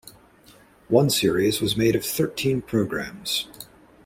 One series was made of thirteen programmes.